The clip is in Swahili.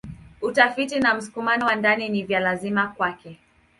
Utafiti na msukumo wa ndani ni vya lazima kwake.